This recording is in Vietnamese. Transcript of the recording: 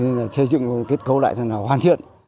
nên là xây dựng kết cấu lại cho nó hoàn thiện